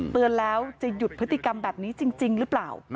เตือนแล้วจะหยุดพฤติกรรมแบบนี้จริงหรือเปล่า